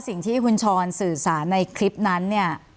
สิ่งที่คุณชรสื่อสารในคลิปนั้นเนี่ย